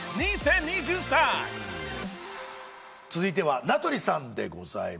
続いてはなとりさんでございます。